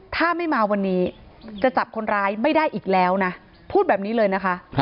ถ้าไม่มาวันนี้จะจับคนร้ายไม่ได้อีกแล้วนะพูดแบบนี้เลยนะคะ